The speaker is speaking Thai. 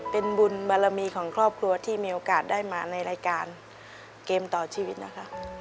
เป็นบุญบารมีของครอบครัวที่มีโอกาสได้มาในรายการเกมต่อชีวิตนะคะ